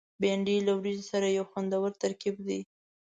بېنډۍ له وریجو سره یو خوندور ترکیب دی